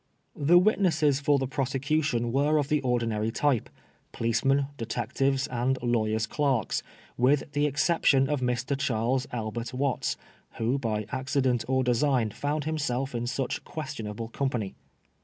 The witnesses for the prosecution were of the ordinary type — policemen, detectives, and lawyer's clerks — ^with the exception of Mr. Charles Albert Watts, who by accident or design found himself in such questionable company.